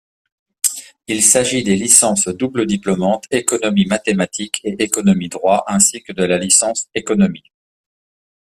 Il s’agit des licences double-diplomantes économie-mathématiques et économie-droit, ainsi que de la licence économie.